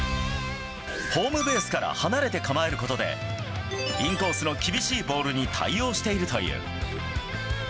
ホームベースから離れて構えることで、インコースの厳しいボールに対応しているという。